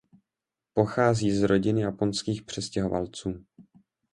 Pochází z rodiny japonských přistěhovalců.